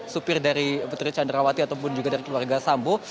supir dari putri candrawati ataupun juga dari keluarga sambo